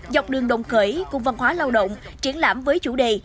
dọc đường đồng khởi cùng văn hóa lao động triển lãm với chủ đề